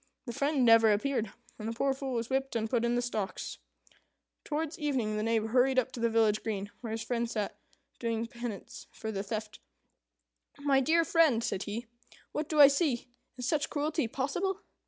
The friend never appeared; and the poor Fool was whipped and put in the stocks. Towards evening the Knave hurried up to the village green, where his friend sat doing penance for the theft. "My dear friend," said he, "what do I see? Is such cruelty possible?